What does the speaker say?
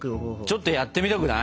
ちょっとやってみたくない？